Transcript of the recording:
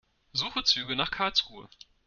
Suche Züge nach Karlsruhe.